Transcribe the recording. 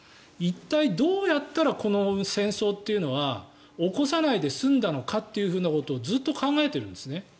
一体どうやったらこの戦争というのは起こさないで済んだのかっていうことをずっと考えているんですね